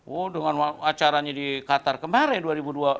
oh dengan acaranya di qatar kemarin dua ribu dua puluh